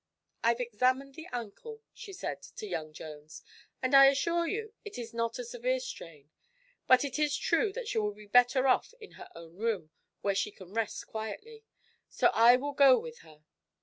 "I've examined the ankle," she said to young Jones, "and I assure you it is not a severe strain. But it is true that she will be better off in her own room, where she can rest quietly. So I will go with her."